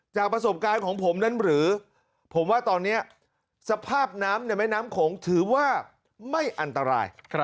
จากประสบการณ์ของผมนั้นหรือผมว่าตอนนี้สภาพน้ำในแม่น้ำโขงถือว่าไม่อันตราย